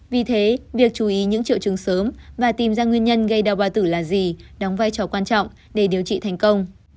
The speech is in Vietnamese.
vì thế việc chú ý những triệu chứng sớm và tìm ra nguyên nhân gây đau bà tử là gì đóng vai trò quan trọng để điều trị thành công